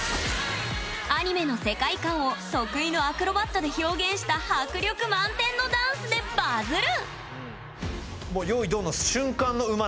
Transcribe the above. アニメの世界観を得意のアクロバットで表現した迫力満点のダンスでバズる！